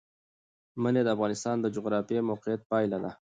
منی د افغانستان د جغرافیایي موقیعت پایله ده.